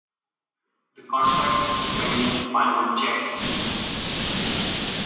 The contract is pending final checks.